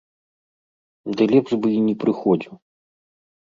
Ды лепш бы і не прыходзіў.